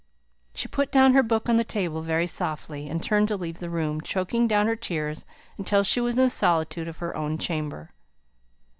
She put down her book on the table very softly, and turned to leave the room, choking down her tears until she was in the solitude of her own chamber.